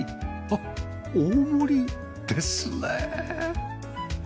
あっ大盛りですね